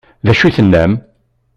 D acu ay d-tennam?